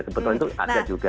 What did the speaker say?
kebetulan itu ada juga